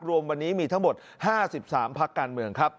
รวมวันนี้มีทั้งหมด๕๓พักการเมืองครับ